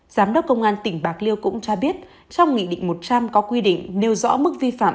giám đốc công an tỉnh bạc liêu cũng cho biết trong nghị định một trăm linh có quy định nêu rõ mức vi phạm